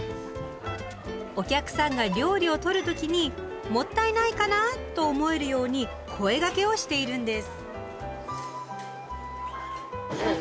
お客さんが料理を取る時に「もったいない」かな？と思えるように声がけをしているんです。